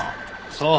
そう。